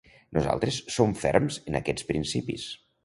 Nosaltres som ferms en aquests principis.